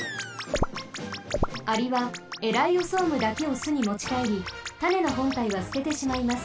アリはエライオソームだけをすにもちかえりたねのほんたいはすててしまいます。